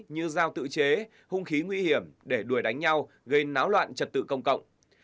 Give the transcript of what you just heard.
như giao tự chế hung khí nguy hiểm để đuổi đánh nhau gây náo loạn trật tự công cộng